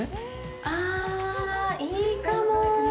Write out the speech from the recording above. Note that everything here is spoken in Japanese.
あ、いいかも。